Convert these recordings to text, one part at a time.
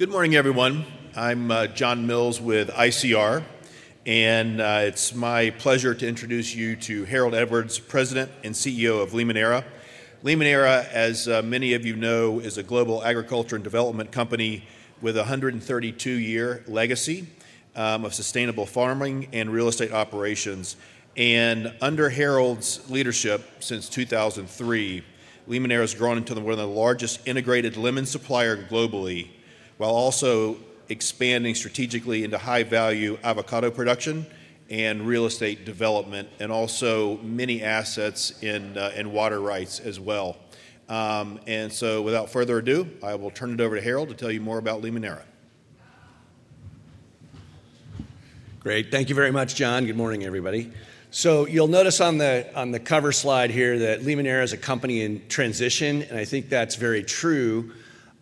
Good morning, everyone. I'm John Mills with ICR, and it's my pleasure to introduce you to Harold Edwards, President and CEO of Limoneira. Limoneira, as many of you know, is a global agriculture and development company with a 132-year legacy of sustainable farming and real estate operations. And under Harold's leadership since 2003, Limoneira has grown into one of the largest integrated lemon suppliers globally, while also expanding strategically into high-value avocado production and real estate development, and also many assets in water rights as well. And so, without further ado, I will turn it over to Harold to tell you more about Limoneira. Great. Thank you very much, John. Good morning, everybody. So you'll notice on the cover slide here that Limoneira is a company in transition, and I think that's very true.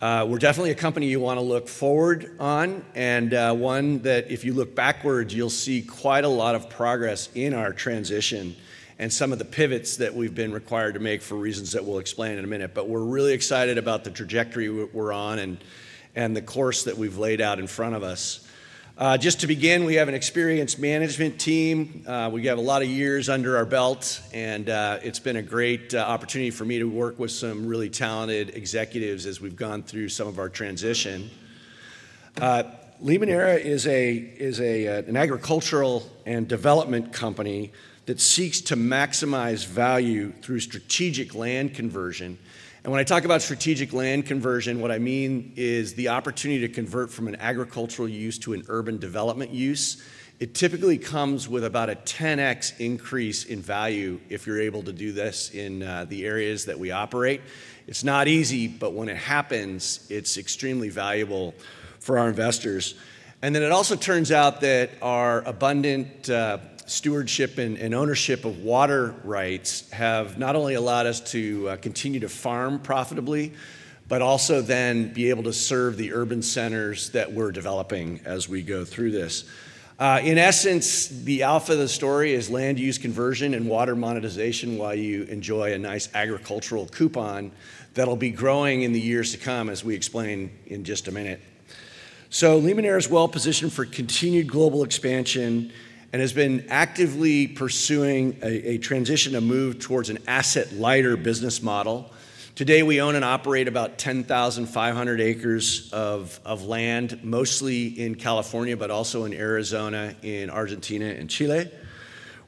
We're definitely a company you want to look forward to, and one that, if you look backwards, you'll see quite a lot of progress in our transition and some of the pivots that we've been required to make for reasons that we'll explain in a minute. But we're really excited about the trajectory we're on and the course that we've laid out in front of us. Just to begin, we have an experienced management team. We have a lot of years under our belts, and it's been a great opportunity for me to work with some really talented executives as we've gone through some of our transition. Limoneira is an agricultural and development company that seeks to maximize value through strategic land conversion. And when I talk about strategic land conversion, what I mean is the opportunity to convert from an agricultural use to an urban development use. It typically comes with about a 10x increase in value if you're able to do this in the areas that we operate. It's not easy, but when it happens, it's extremely valuable for our investors. And then it also turns out that our abundant stewardship and ownership of water rights have not only allowed us to continue to farm profitably, but also then be able to serve the urban centers that we're developing as we go through this. In essence, the alpha of the story is land use conversion and water monetization while you enjoy a nice agricultural coupon that'll be growing in the years to come, as we explain in just a minute, so Limoneira is well-positioned for continued global expansion and has been actively pursuing a transition, a move towards an asset-lighter business model. Today, we own and operate about 10,500 acres of land, mostly in California, but also in Arizona, in Argentina, and Chile.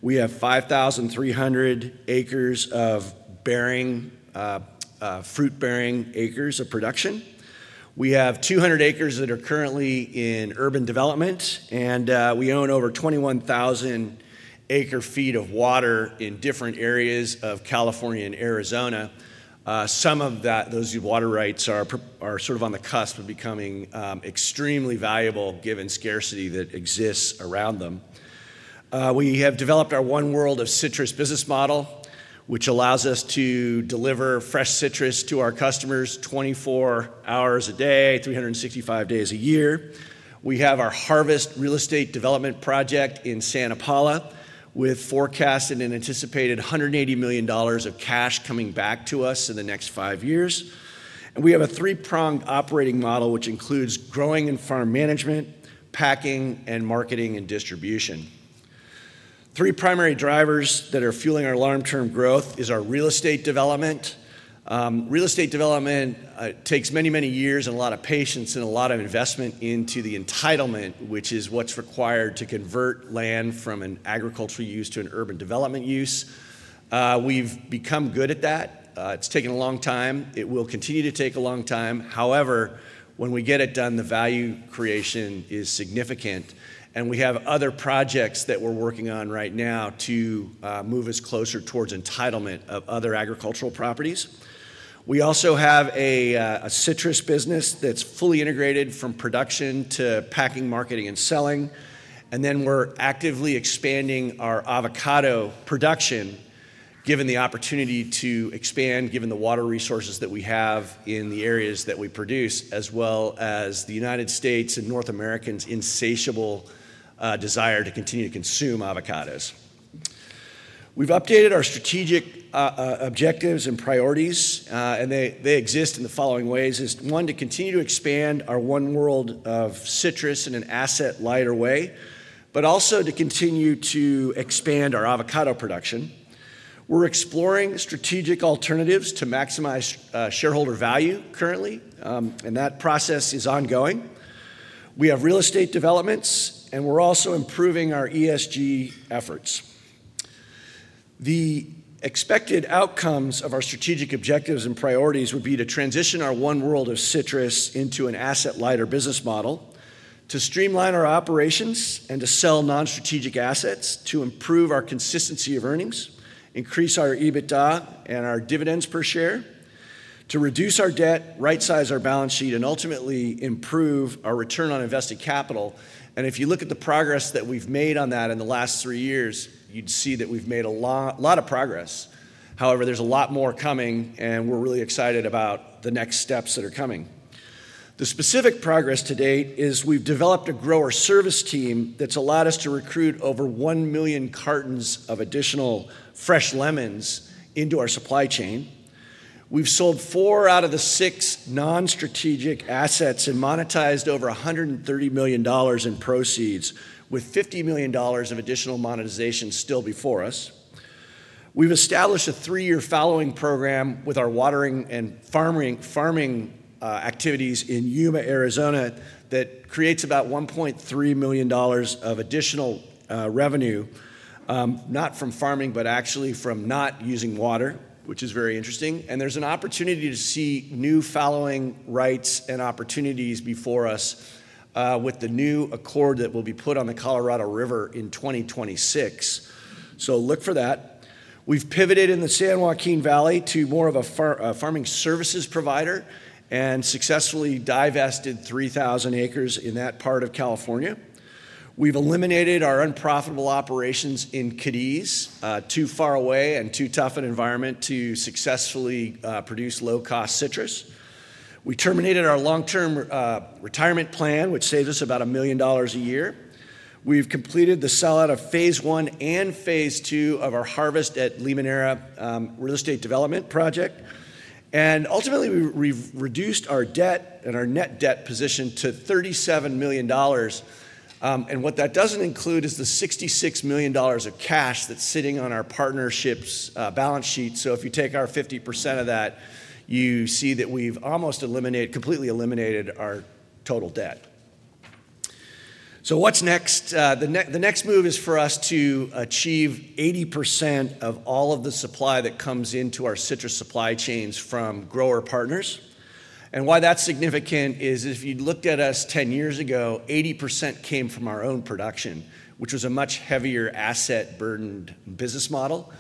We have 5,300 acres of fruit-bearing acres of production. We have 200 acres that are currently in urban development, and we own over 21,000 acre-feet of water in different areas of California and Arizona. Some of those water rights are sort of on the cusp of becoming extremely valuable, given the scarcity that exists around them. We have developed our One World of Citrus business model, which allows us to deliver fresh citrus to our customers 24 hours a day, 365 days a year. We have our Harvest real estate development project in Santa Paula, with forecasts and an anticipated $180 million of cash coming back to us in the next five years. We have a three-pronged operating model, which includes growing and farm management, packing and marketing and distribution. Three primary drivers that are fueling our long-term growth are our real estate development. Real estate development takes many, many years and a lot of patience and a lot of investment into the entitlement, which is what's required to convert land from an agricultural use to an urban development use. We've become good at that. It's taken a long time. It will continue to take a long time. However, when we get it done, the value creation is significant, and we have other projects that we're working on right now to move us closer towards entitlement of other agricultural properties. We also have a citrus business that's fully integrated from production to packing, marketing, and selling, and then we're actively expanding our avocado production, given the opportunity to expand, given the water resources that we have in the areas that we produce, as well as the United States and North America's insatiable desire to continue to consume avocados. We've updated our strategic objectives and priorities, and they exist in the following ways: one, to continue to expand our One World of Citrus in an asset-lighter way, but also to continue to expand our avocado production. We're exploring strategic alternatives to maximize shareholder value currently, and that process is ongoing. We have real estate developments, and we're also improving our ESG efforts. The expected outcomes of our strategic objectives and priorities would be to transition our One World of Citrus into an asset-lighter business model, to streamline our operations and to sell non-strategic assets, to improve our consistency of earnings, increase our EBITDA and our dividends per share, to reduce our debt, right-size our balance sheet, and ultimately improve our return on invested capital, and if you look at the progress that we've made on that in the last three years, you'd see that we've made a lot of progress. However, there's a lot more coming, and we're really excited about the next steps that are coming. The specific progress to date is, we've developed a grower service team that's allowed us to recruit over one million cartons of additional fresh lemons into our supply chain. We've sold four out of the six non-strategic assets and monetized over $130 million in proceeds, with $50 million of additional monetization still before us. We've established a three-year fallowing program with our watering and farming activities in Yuma, Arizona, that creates about $1.3 million of additional revenue, not from farming, but actually from not using water, which is very interesting. And there's an opportunity to sell new fallowing rights and opportunities before us with the new accord that will be put on the Colorado River in 2026. So look for that. We've pivoted in the San Joaquin Valley to more of a farming services provider and successfully divested 3,000 acres in that part of California. We've eliminated our unprofitable operations in Cadiz, too far away and too tough an environment, to successfully produce low-cost citrus. We terminated our long-term retirement plan, which saves us about $1 million a year. We've completed the sell-out of phase one and phase two of our Harvest at Limoneira real estate development project. And ultimately, we've reduced our debt and our net debt position to $37 million. And what that doesn't include is the $66 million of cash that's sitting on our partnership's balance sheet. So if you take our 50% of that, you see that we've almost completely eliminated our total debt. So what's next? The next move is for us to achieve 80% of all of the supply that comes into our citrus supply chains from grower partners. And why that's significant is, if you looked at us 10 years ago, 80% came from our own production, which was a much heavier asset-burdened business model.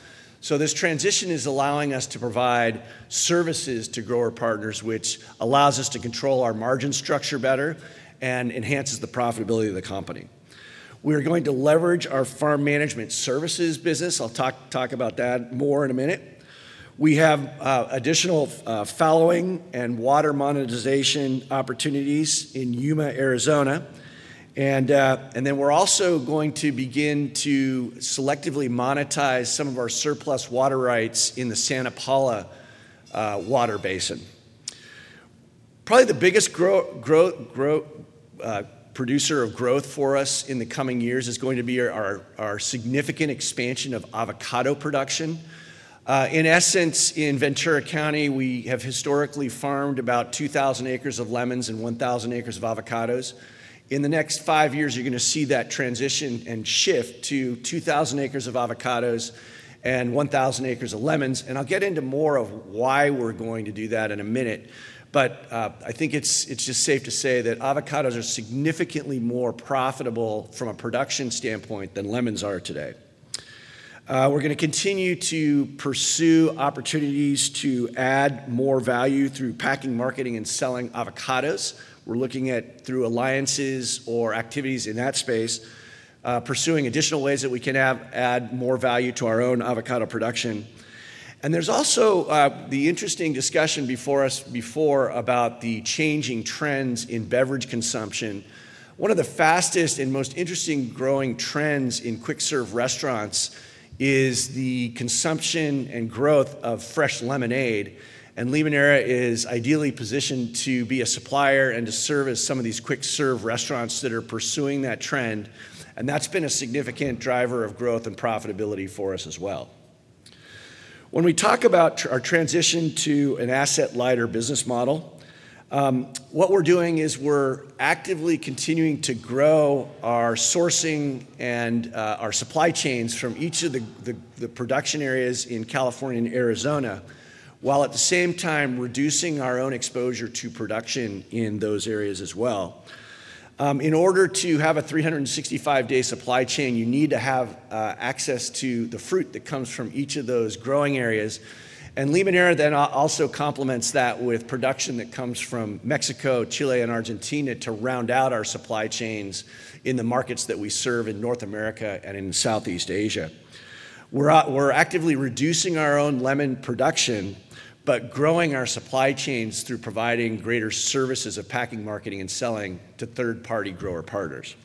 This transition is allowing us to provide services to grower partners, which allows us to control our margin structure better and enhances the profitability of the company. We are going to leverage our farm management services business. I'll talk about that more in a minute. We have additional fallowing and water monetization opportunities in Yuma, Arizona. Then we're also going to begin to selectively monetize some of our surplus water rights in the Santa Paula Water Basin. Probably the biggest producer of growth for us in the coming years is going to be our significant expansion of avocado production. In essence, in Ventura County, we have historically farmed about 2,000 acres of lemons and 1,000 acres of avocados. In the next five years, you're going to see that transition and shift to 2,000 acres of avocados and 1,000 acres of lemons. I'll get into more of why we're going to do that in a minute. I think it's just safe to say that avocados are significantly more profitable from a production standpoint than lemons are today. We're going to continue to pursue opportunities to add more value through packing, marketing, and selling avocados. We're looking at through alliances or activities in that space, pursuing additional ways that we can add more value to our own avocado production. There's also the interesting discussion before us about the changing trends in beverage consumption. One of the fastest and most interesting growing trends in quick-serve restaurants is the consumption and growth of fresh lemonade. Limoneira is ideally positioned to be a supplier and to service some of these quick-serve restaurants that are pursuing that trend. That's been a significant driver of growth and profitability for us as well. When we talk about our transition to an asset-lighter business model, what we're doing is we're actively continuing to grow our sourcing and our supply chains from each of the production areas in California and Arizona, while at the same time reducing our own exposure to production in those areas as well. In order to have a 365-day supply chain, you need to have access to the fruit that comes from each of those growing areas, and Limoneira then also complements that with production that comes from Mexico, Chile, and Argentina to round out our supply chains in the markets that we serve in North America and in Southeast Asia. We're actively reducing our own lemon production, but growing our supply chains through providing greater services of packing, marketing, and selling to third-party grower partners.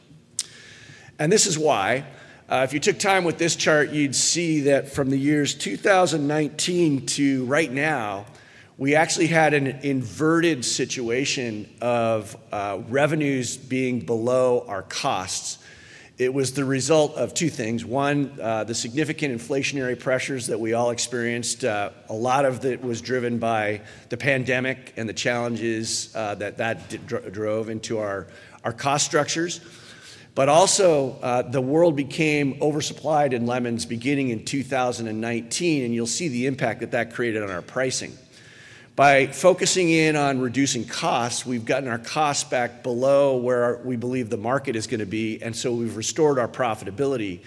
And this is why, if you took time with this chart, you'd see that from the years 2019 to right now, we actually had an inverted situation of revenues being below our costs. It was the result of two things. One, the significant inflationary pressures that we all experienced. A lot of it was driven by the pandemic and the challenges that that drove into our cost structures. But also, the world became oversupplied in lemons beginning in 2019, and you'll see the impact that that created on our pricing. By focusing in on reducing costs, we've gotten our costs back below where we believe the market is going to be, and so we've restored our profitability.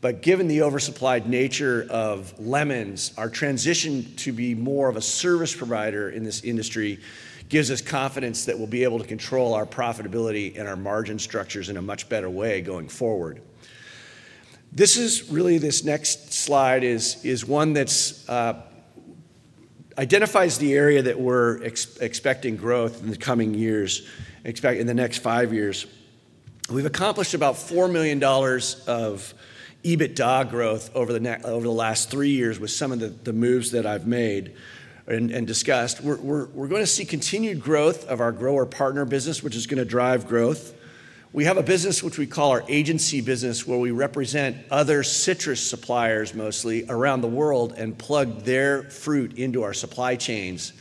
But given the oversupplied nature of lemons, our transition to be more of a service provider in this industry gives us confidence that we'll be able to control our profitability and our margin structures in a much better way going forward. This is really, this next slide is one that identifies the area that we're expecting growth in the coming years, in the next five years. We've accomplished about $4 million of EBITDA growth over the last three years with some of the moves that I've made and discussed. We're going to see continued growth of our grower partner business, which is going to drive growth. We have a business which we call our agency business, where we represent other citrus suppliers mostly around the world and plug their fruit into our supply chains.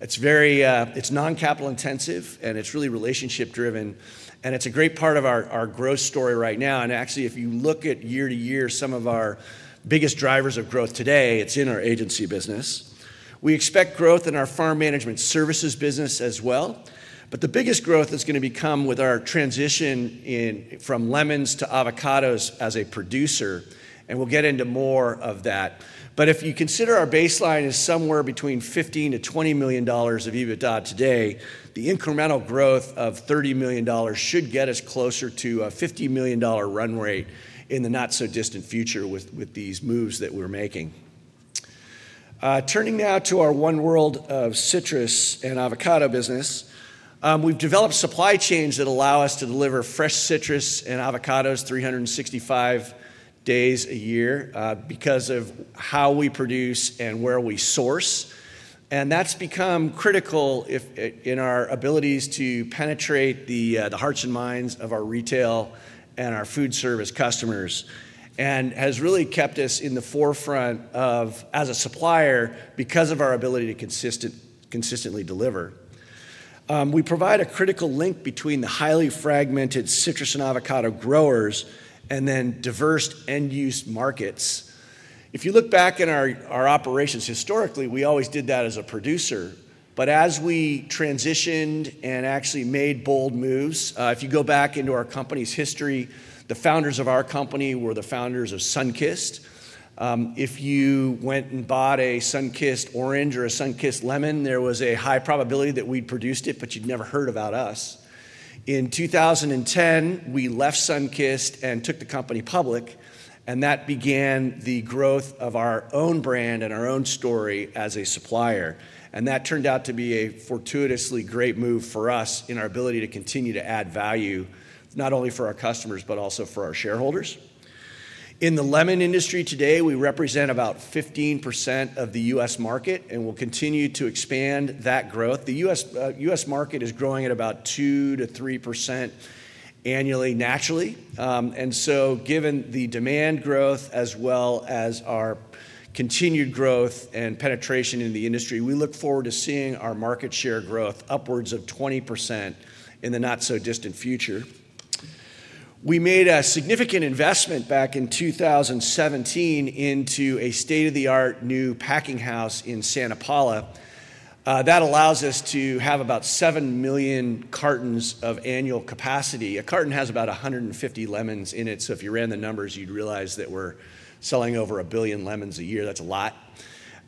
It's non-capital intensive, and it's really relationship-driven. It's a great part of our growth story right now. Actually, if you look at year to year, some of our biggest drivers of growth today, it's in our agency business. We expect growth in our farm management services business as well. The biggest growth is going to come with our transition from lemons to avocados as a producer. We'll get into more of that. If you consider our baseline is somewhere between $15-$20 million of EBITDA today, the incremental growth of $30 million should get us closer to a $50 million run rate in the not-so-distant future with these moves that we're making. Turning now to our One World of Citrus and avocado business, we've developed supply chains that allow us to deliver fresh citrus and avocados 365 days a year because of how we produce and where we source. And that's become critical in our abilities to penetrate the hearts and minds of our retail and our food service customers and has really kept us in the forefront as a supplier because of our ability to consistently deliver. We provide a critical link between the highly fragmented citrus and avocado growers and then diverse end-use markets. If you look back at our operations, historically, we always did that as a producer. But as we transitioned and actually made bold moves, if you go back into our company's history, the founders of our company were the founders of Sunkist. If you went and bought a Sunkist orange or a Sunkist lemon, there was a high probability that we'd produced it, but you'd never heard about us. In 2010, we left Sunkist and took the company public, and that began the growth of our own brand and our own story as a supplier, and that turned out to be a fortuitously great move for us in our ability to continue to add value, not only for our customers, but also for our shareholders. In the lemon industry today, we represent about 15% of the U.S. market, and we'll continue to expand that growth. The U.S. market is growing at about 2-3% annually, naturally, and so, given the demand growth as well as our continued growth and penetration in the industry, we look forward to seeing our market share growth upwards of 20% in the not-so-distant future. We made a significant investment back in 2017 into a state-of-the-art new packing house in Santa Paula. That allows us to have about 7 million cartons of annual capacity. A carton has about 150 lemons in it. So if you ran the numbers, you'd realize that we're selling over a billion lemons a year. That's a lot.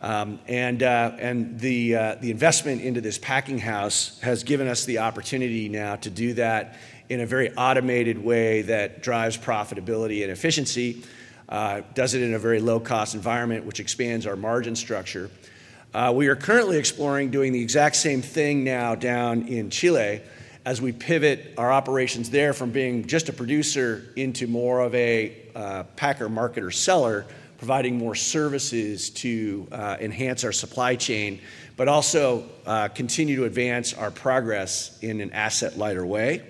And the investment into this packing house has given us the opportunity now to do that in a very automated way that drives profitability and efficiency, does it in a very low-cost environment, which expands our margin structure. We are currently exploring doing the exact same thing now down in Chile as we pivot our operations there from being just a producer into more of a packer, marketer, seller, providing more services to enhance our supply chain, but also continue to advance our progress in an asset-lighter way.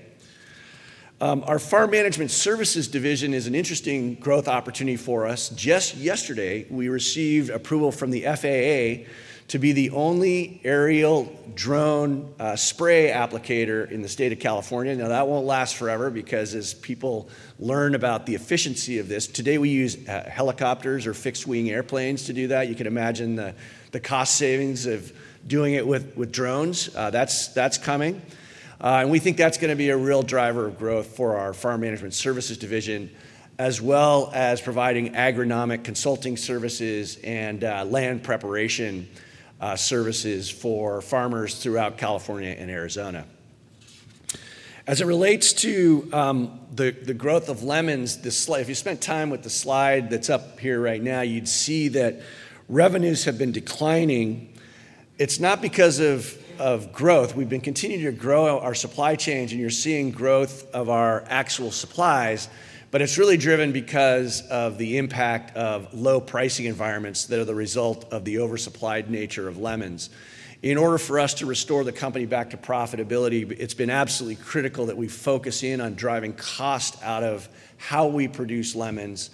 Our farm management services division is an interesting growth opportunity for us. Just yesterday, we received approval from the FAA to be the only aerial drone spray applicator in the state of California. Now, that won't last forever because as people learn about the efficiency of this, today we use helicopters or fixed-wing airplanes to do that. You can imagine the cost savings of doing it with drones. That's coming. And we think that's going to be a real driver of growth for our farm management services division, as well as providing agronomic consulting services and land preparation services for farmers throughout California and Arizona. As it relates to the growth of lemons, if you spent time with the slide that's up here right now, you'd see that revenues have been declining. It's not because of growth. We've been continuing to grow our supply chains, and you're seeing growth of our actual supplies. But it's really driven because of the impact of low pricing environments that are the result of the oversupplied nature of lemons. In order for us to restore the company back to profitability, it's been absolutely critical that we focus in on driving cost out of how we produce lemons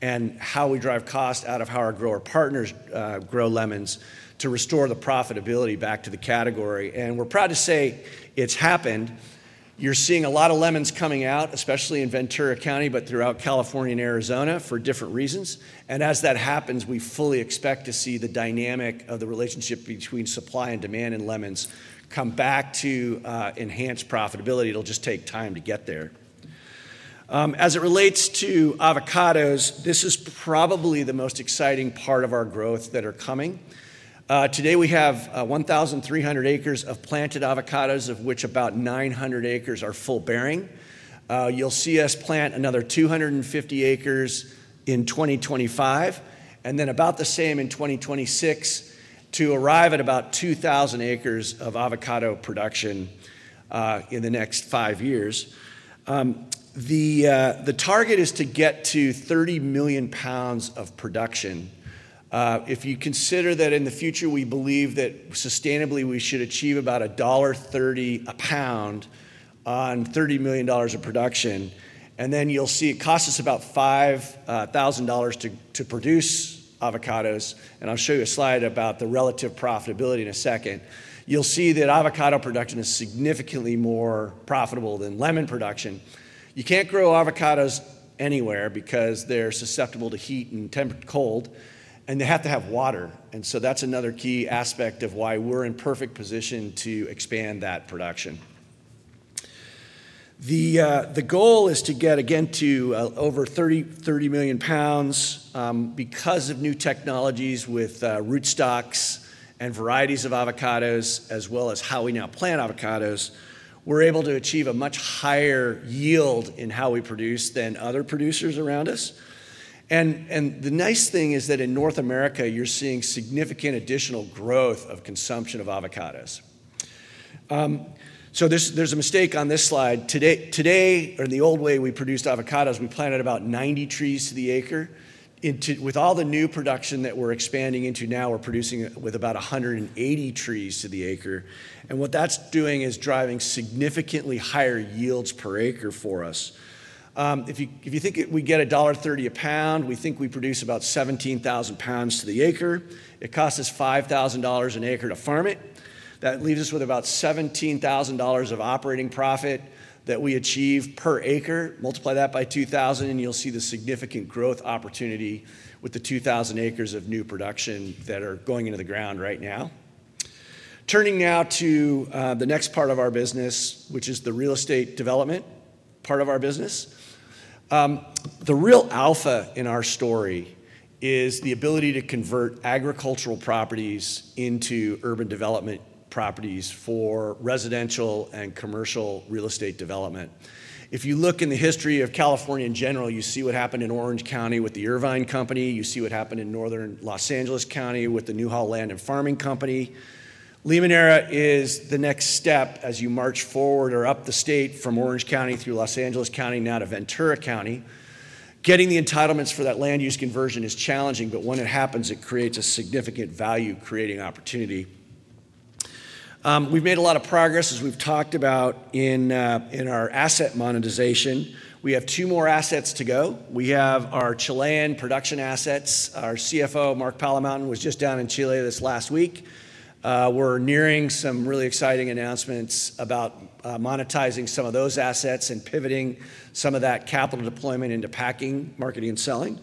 and how we drive cost out of how our grower partners grow lemons to restore the profitability back to the category, and we're proud to say it's happened. You're seeing a lot of lemons coming out, especially in Ventura County, but throughout California and Arizona for different reasons, and as that happens, we fully expect to see the dynamic of the relationship between supply and demand in lemons come back to enhance profitability. It'll just take time to get there. As it relates to avocados, this is probably the most exciting part of our growth that is coming. Today, we have 1,300 acres of planted avocados, of which about 900 acres are full-bearing. You'll see us plant another 250 acres in 2025, and then about the same in 2026 to arrive at about 2,000 acres of avocado production in the next five years. The target is to get to 30 million pounds of production. If you consider that in the future, we believe that sustainably we should achieve about $1.30 a pound on $30 million of production. And then you'll see it costs us about $5,000 to produce avocados. And I'll show you a slide about the relative profitability in a second. You'll see that avocado production is significantly more profitable than lemon production. You can't grow avocados anywhere because they're susceptible to heat and cold, and they have to have water. And so that's another key aspect of why we're in perfect position to expand that production. The goal is to get, again, to over 30 million pounds because of new technologies with rootstocks and varieties of avocados, as well as how we now plant avocados. We're able to achieve a much higher yield in how we produce than other producers around us, and the nice thing is that in North America, you're seeing significant additional growth of consumption of avocados, so there's a mistake on this slide. Today, or in the old way we produced avocados, we planted about 90 trees to the acre. With all the new production that we're expanding into now, we're producing with about 180 trees to the acre, and what that's doing is driving significantly higher yields per acre for us. If you think we get $1.30 a pound, we think we produce about 17,000 pounds to the acre. It costs us $5,000 an acre to farm it. That leaves us with about $17,000 of operating profit that we achieve per acre. Multiply that by 2,000, and you'll see the significant growth opportunity with the 2,000 acres of new production that are going into the ground right now. Turning now to the next part of our business, which is the real estate development part of our business. The real alpha in our story is the ability to convert agricultural properties into urban development properties for residential and commercial real estate development. If you look in the history of California in general, you see what happened in Orange County with the Irvine Company. You see what happened in Northern Los Angeles County with the Newhall Land and Farming Company. Limoneira is the next step as you march forward or up the state from Orange County through Los Angeles County now to Ventura County. Getting the entitlements for that land use conversion is challenging, but when it happens, it creates a significant value-creating opportunity. We've made a lot of progress, as we've talked about in our asset monetization. We have two more assets to go. We have our Chilean production assets. Our CFO, Mark Palamountain, was just down in Chile this last week. We're nearing some really exciting announcements about monetizing some of those assets and pivoting some of that capital deployment into packing, marketing, and selling.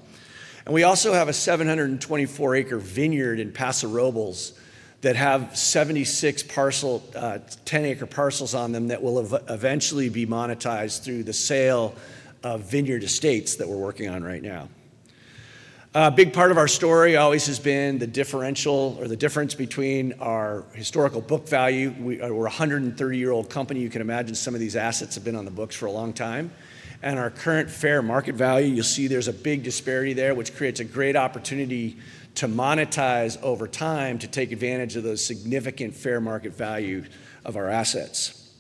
And we also have a 724-acre vineyard in Paso Robles that has 76 parcels, 10-acre parcels on them that will eventually be monetized through the sale of vineyard estates that we're working on right now. A big part of our story always has been the differential or the difference between our historical book value. We're a 130-year-old company. You can imagine some of these assets have been on the books for a long time, and our current fair market value, you'll see there's a big disparity there, which creates a great opportunity to monetize over time to take advantage of those significant fair market value of our assets.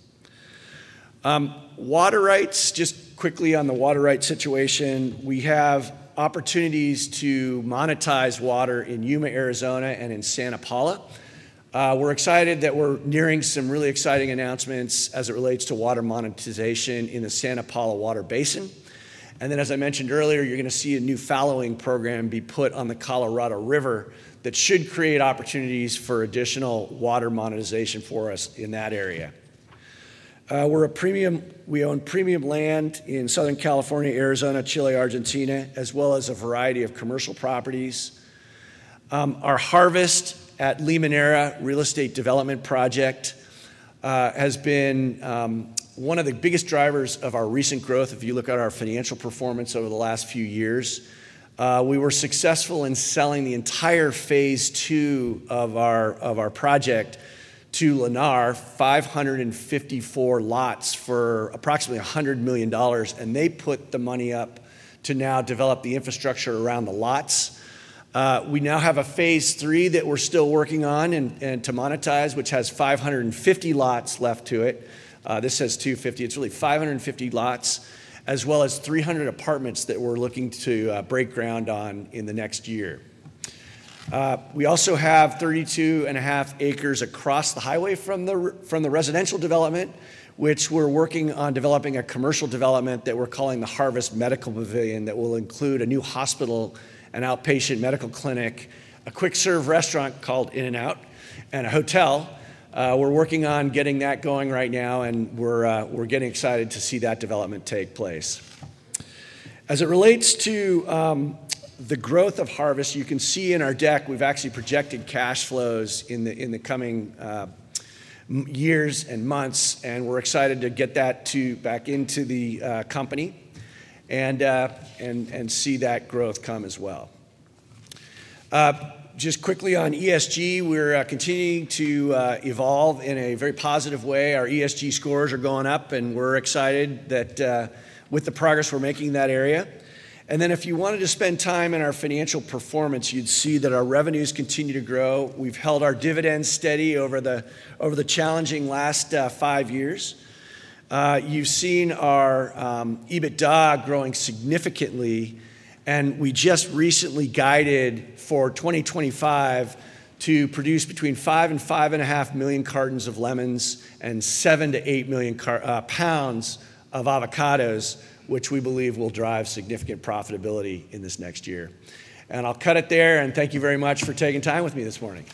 Water rights, just quickly on the water rights situation. We have opportunities to monetize water in Yuma, Arizona, and in Santa Paula. We're excited that we're nearing some really exciting announcements as it relates to water monetization in the Santa Paula Water Basin. And then, as I mentioned earlier, you're going to see a new fallowing program be put on the Colorado River that should create opportunities for additional water monetization for us in that area. We own premium land in Southern California, Arizona, Chile, Argentina, as well as a variety of commercial properties. Our Harvest at Limoneira real estate development project has been one of the biggest drivers of our recent growth. If you look at our financial performance over the last few years, we were successful in selling the entire phase two of our project to Lennar, 554 lots for approximately $100 million, and they put the money up to now develop the infrastructure around the lots. We now have a phase three that we're still working on and to monetize, which has 550 lots left to it. This has 250. It's really 550 lots, as well as 300 apartments that we're looking to break ground on in the next year. We also have 32 and a half acres across the highway from the residential development, which we're working on developing a commercial development that we're calling the Harvest Medical Pavilion that will include a new hospital, an outpatient medical clinic, a quick-serve restaurant called In-N-Out, and a hotel. We're working on getting that going right now, and we're getting excited to see that development take place. As it relates to the growth of Harvest, you can see in our deck, we've actually projected cash flows in the coming years and months, and we're excited to get that back into the company and see that growth come as well. Just quickly on ESG, we're continuing to evolve in a very positive way. Our ESG scores are going up, and we're excited with the progress we're making in that area. And then if you wanted to spend time in our financial performance, you'd see that our revenues continue to grow. We've held our dividends steady over the challenging last five years. You've seen our EBITDA growing significantly, and we just recently guided for 2025 to produce between 5 and 5 and a half million cartons of lemons and 7million-8 million pounds of avocados, which we believe will drive significant profitability in this next year. And I'll cut it there, and thank you very much for taking time with me this morning.